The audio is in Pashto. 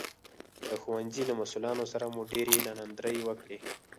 د ښوونځي له مسوولانو سره مو ډېرې ناندرۍ وکړې